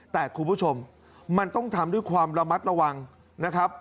แต่คุณผู้ชมมันต้องทำด้วยความระมัดระวังนะครับ